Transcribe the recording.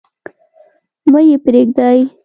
مه يې پريږدﺉ.